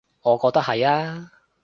我覺得係呀